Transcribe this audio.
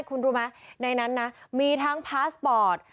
คุณรู้ไหมในนั้นนะมีทั้งพาสปอร์ต